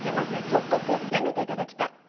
即刻やめていただきたい